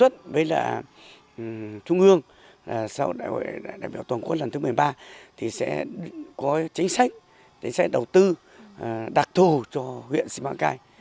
trung ương sau đại biểu toàn quốc lần thứ một mươi ba sẽ có chính sách sẽ đầu tư đặc thù cho huyện sĩ mạng cai